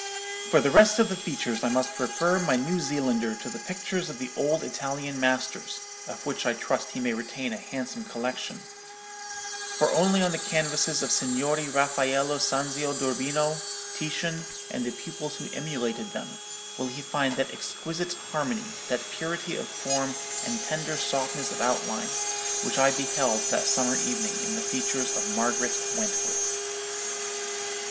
For the rest of the features I must refer my New Zealander to the pictures of the old Italian masters—of which I trust he may retain a handsome collection;—for only on the canvases of Signori Raffaello Sanzio d'Urbino, Titian, and the pupils who emulated them, will he find that exquisite harmony, that purity of form and tender softness of outline, which I beheld that summer evening in the features of Margaret Wentworth.